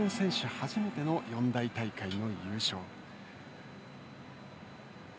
初めての四大大会の優勝。